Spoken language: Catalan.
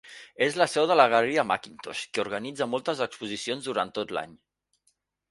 És la seu de la galeria Mackintosh, que organitza moltes exposicions durant tot l'any.